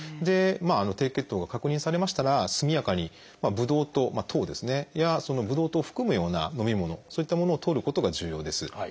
低血糖が確認されましたら速やかにブドウ糖糖ですねやそのブドウ糖を含むような飲み物そういったものをとることが重要です。